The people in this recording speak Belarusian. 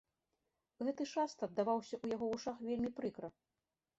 Гэты шаст аддаваўся ў яго вушах вельмі прыкра.